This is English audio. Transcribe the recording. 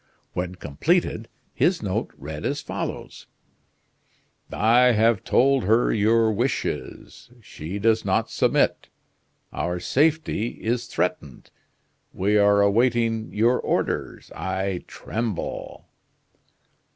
When completed, his note read as follows: "I have told her your wishes; she does not submit. Our safety is threatened. We are awaiting your orders. I tremble."